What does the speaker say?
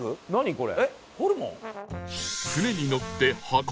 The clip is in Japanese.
これ。